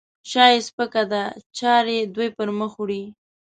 شا یې سپکه ده؛ چارې دوی پرمخ وړي.